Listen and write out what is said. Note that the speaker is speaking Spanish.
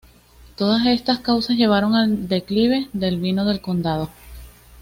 Todas estas causas llevaron al declive del vino del condado.